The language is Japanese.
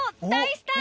スター？